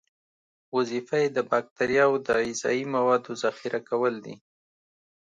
وظیفه یې د باکتریاوو د غذایي موادو ذخیره کول دي.